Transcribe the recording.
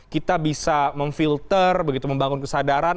kita bisa memfilter begitu membangun kesadaran